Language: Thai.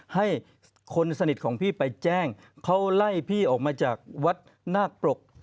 ให้คนสนิทของพี่ไปแจ้งเขาไล่พี่ออกมาจากวัดนาคปรก